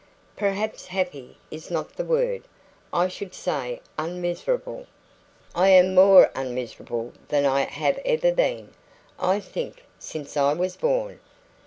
"Perhaps 'happy' is not the word. I should say unmiserable. I am more unmiserable than I have ever been, I think, since I was born."